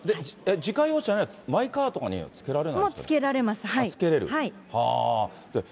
自家用車には、マイカーとかにはつけられないんですか？